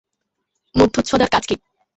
মধ্যচ্ছদার কাজ কী?